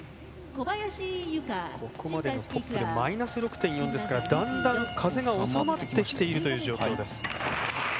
ここまでのトップでマイナス６．４ですからだんだん風が収まってきているという状況です。